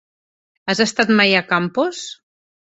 Has estat mai a Campos?